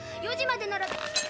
４時までなら。